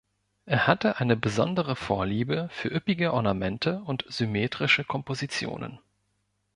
Er hatte eine besondere Vorliebe für üppige Ornamente und symmetrische Kompositionen.